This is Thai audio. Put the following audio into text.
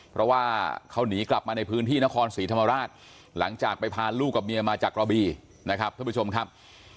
เพราะว่าเขาหนีกลับมาในพื้นที่นครศรีธรรมราชหลังจากไปพาลูกกับเมียมาจากกระบีนะครับท่านผู้ชมครับ